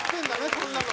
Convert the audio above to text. こんなの。